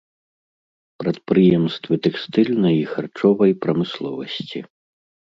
Прадпрыемствы тэкстыльнай і харчовай прамысловасці.